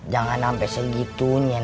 jangan sampai segitunya mak